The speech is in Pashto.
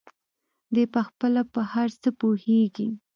دى پخپله په هر څه پوهېږي.